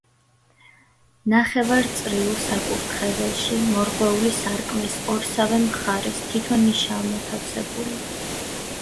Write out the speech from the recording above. ნახევარწრიულ საკურთხეველში, მორღვეული სარკმლის ორსავე მხარეს თითო ნიშაა მოთავსებული.